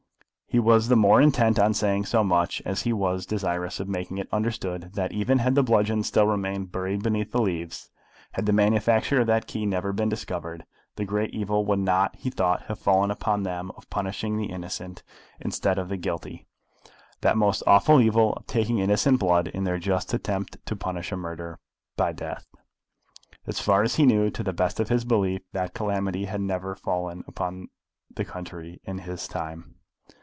He was the more intent on saying so much, as he was desirous of making it understood that, even had the bludgeon still remained buried beneath the leaves, had the manufacturer of that key never been discovered, the great evil would not, he thought, have fallen upon them of punishing the innocent instead of the guilty, that most awful evil of taking innocent blood in their just attempt to punish murder by death. As far as he knew, to the best of his belief, that calamity had never fallen upon the country in his time.